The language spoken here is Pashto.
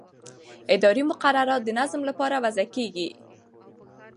اداري مقررات د نظم لپاره وضع کېږي.